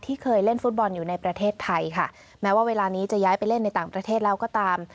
เคยเล่นฟุตบอลอยู่ในประเทศไทยค่ะแม้ว่าเวลานี้จะย้ายไปเล่นในต่างประเทศแล้วก็ตาม